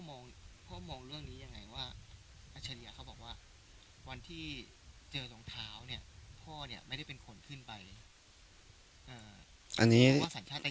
มันน่าจะปกติบ้านเรามีก้านมะยมไหม